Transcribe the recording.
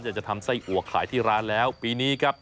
อยากจะทำไส้อัวขายที่ร้านแล้วปีนี้ครับ